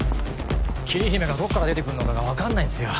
桐姫がどっから出てくんのかが分かんないんすよ